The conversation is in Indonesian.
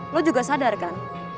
lo juga sadar kan